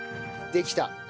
できた。